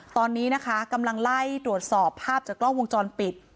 ตอนนี้นะคะกำลังไล่ตรวจสอบภาพจากกล้องวงจรปิด